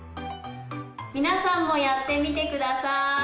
皆さんもやってみて下さい。